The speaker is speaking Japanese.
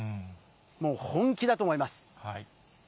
もう本気だと思います。